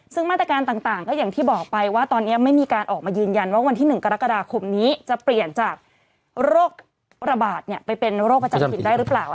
ซึ่งมาตรการต่างก็อย่างที่บอกไปว่าตอนนี้ไม่มีการออกมายืนยันว่าวันที่๑กรกฎาคมนี้จะเปลี่ยนจากโรคระบาดไปเป็นโรคประจำถิ่นได้หรือเปล่า